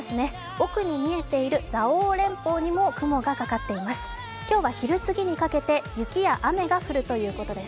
奥に見えている蔵王連峰にも雲がかかっています。